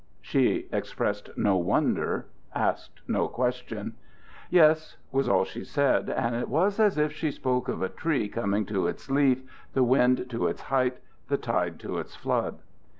She expressed no wonder, asked no question. "Yes," was all she said, and it was as if she spoke of a tree coming to its leaf, the wind to its height, the tide to its flood.